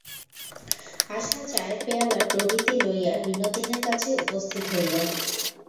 আশা চায়ের পেয়ালা প্রভৃতি লইয়া বিনোদিনীর কাছে উপস্থিত হইল।